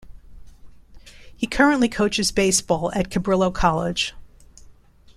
He currently coaches baseball at Cabrillo College.